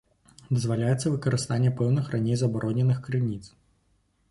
Дазваляецца выкарыстанне пэўных раней забароненых крыніц.